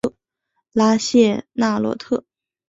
拉谢纳洛特。